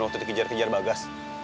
waktu dikejar kejar bagas